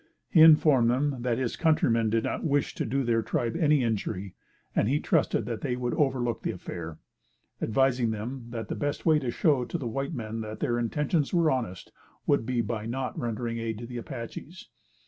He informed them, that his countrymen did not wish to do their tribe any injury, and he trusted that they would overlook the affair; advising them that the best way to show to the white men that their intentions were honest would be by not rendering aid to the Apaches.